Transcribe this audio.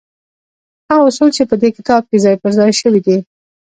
هغه اصول چې په دې کتاب کې ځای پر ځای شوي دي.